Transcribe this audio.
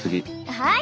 はい！